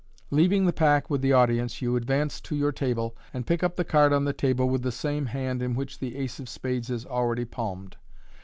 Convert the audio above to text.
Leaving the pack with the audience, you advance to your table, and pick up the card on the table with the same hand in which the ace of spades is already palmed.